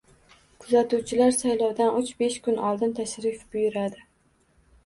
Kuzatuvchilar saylovdan uch-besh kun oldin tashrif buyuradi.